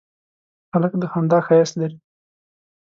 هلک د خندا ښایست لري.